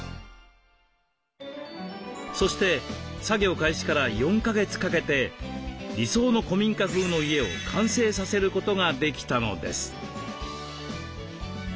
そして作業開始から４か月かけて理想の古民家風の家を完成させることができたのです。